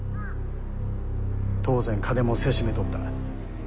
当然金もせしめとった。